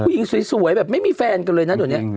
ผู้หญิงสวยแบบไม่มีแฟนกันเลยนะตอนนี้